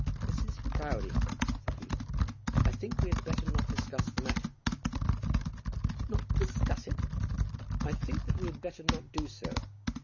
"Mrs. Proudie," said he, "I think that we had better not discuss the matter." "Not discuss it?" "I think that we had better not do so.